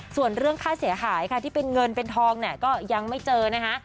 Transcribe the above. ส่วนเรื่องค่าเสียหายค่ะที่เป็นเงินเป็นทองเนี่ยก็ยังไม่เจอนะคะ